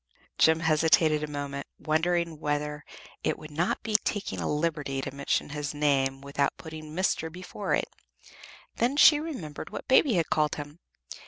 Jem hesitated a moment, wondering whether it would not be taking a liberty to mention his name without putting "Mr." before it: then she remembered what Baby had called him.